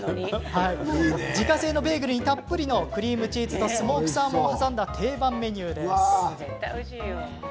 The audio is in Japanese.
自家製のベーグルにたっぷりのクリームチーズとスモークサーモンを挟んだ定番メニュー。